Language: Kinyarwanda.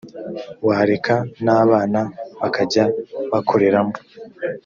wareka n’ abana bakajya bakoreramo.